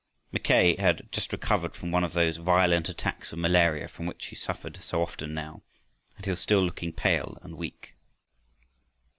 Mackay had just recovered from one of those violent attacks of malaria from which he suffered so often now, and he was still looking pale and weak.